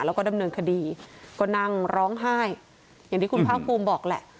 แล้วก็ดำเนินคดีก็นั่งร้องไห้อย่างที่คุณภาคภูมิบอกแหละ